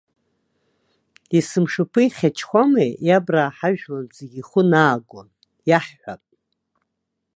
Есмшаԥи хьачхәамеи иабраа ҳажәлантә зегьы ихәы наагон, иаҳҳәап.